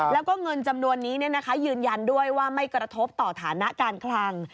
แล้วก็เงินจำนวนนี้ยืนยันด้วยว่าไม่กระทบต่อฐานะการคลัง